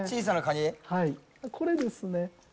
これですね。